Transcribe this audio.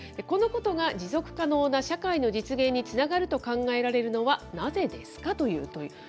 このことが持続可能な社会の実現につながると考えられるのはなぜですかという問い。